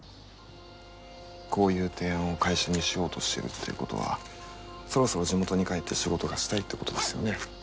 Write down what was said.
こういう提案を会社にしようとしてるっていうことはそろそろ地元に帰って仕事がしたいってことですよね？